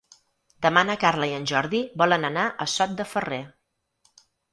Demà na Carla i en Jordi volen anar a Sot de Ferrer.